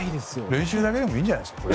練習だけでもいいんじゃないですか？